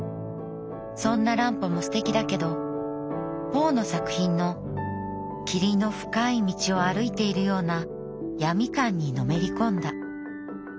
そんな乱歩も素敵だけどポーの作品の霧の深い道を歩いているような『闇感』にのめり込んだ。